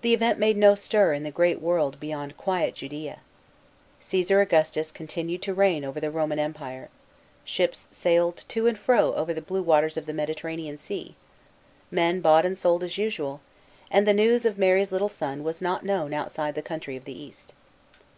The event made no stir, in the great world beyond quiet Judaea. Cresar Augustus continued to reign over the lioman Empire, ships sailed to and fro over the blue waters of the Mediterranean Sea, men bought and sold as usual, and the news 1 of Mary's little Son was not known outside the country of the East.